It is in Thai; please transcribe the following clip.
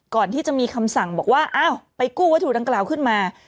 ก่อนที่จะมีคำสั่งบอกว่าอ้าวไปกู้วัตถุดังกล่าวขึ้นมา